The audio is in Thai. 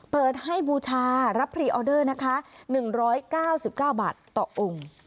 เปิดให้บูชารับพรีออเดอร์นะคะ๑๙๙บาทต่อองค์